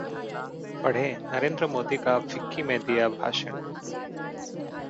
पढ़ें: नरेंद्र मोदी का फिक्की में दिया भाषण